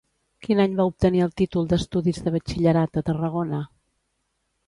Quin any va obtenir el títol d'estudis de batxillerat a Tarragona?